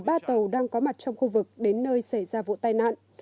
các nhà chức trách italia đang có mặt trong khu vực đến nơi xảy ra vụ tai nạn